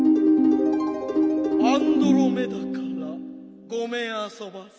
アンドロメダからごめんあそばせ。